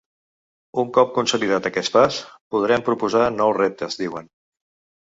Un cop consolidat aquest pas, podrem proposar nous reptes, diuen.